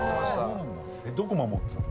どこ守ってたの？